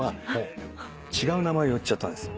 違う名前を言っちゃったんです。